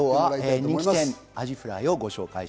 人気店のアジフライをご紹介